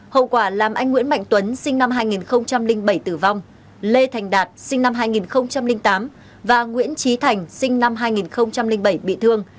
hậu quả làm anh nguyễn mạnh tuấn sinh năm hai nghìn bảy tử vong lê thành đạt sinh năm hai nghìn tám và nguyễn trí thành sinh năm hai nghìn bảy bị thương